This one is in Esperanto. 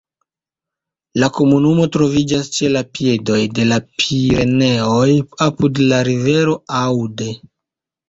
La komunumo troviĝas ĉe la piedoj de la Pireneoj apud la rivero Aude.